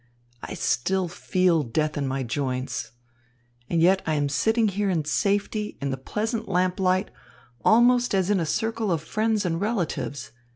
I still feel death in my joints. And yet I am sitting here in safety, in the pleasant lamplight, almost as in a circle of friends and relatives.